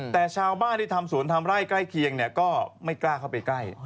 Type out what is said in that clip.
แต่ชาวบ้านที่ทำสวนทำไร่ใกล้เคียงก็ไม่กล้าเข้าไปใกล้